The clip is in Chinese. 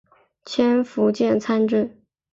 迁福建参政。